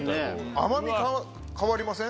甘み変わりません？